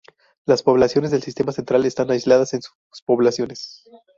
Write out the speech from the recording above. Las poblaciones del Sistema Central están aisladas en subpoblaciones.